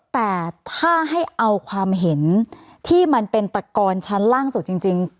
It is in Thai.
แต่ถ้าให้เอาความเห็นที่มันเป็นตะกอนชั้นล่างสุดจริง